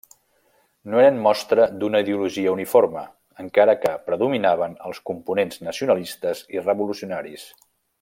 No eren mostra d'una ideologia uniforme, encara que predominaven els components nacionalistes i revolucionaris.